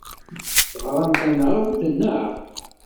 Teɣramt-aneɣ-d, naɣ?